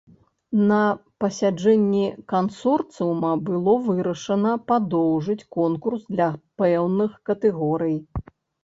На пасяджэнні кансорцыума было вырашана падоўжыць конкурс для пэўных катэгорый.